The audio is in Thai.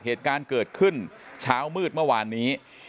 เหตุการณ์เกิดขึ้นเช้ามืดเมื่อวานนี้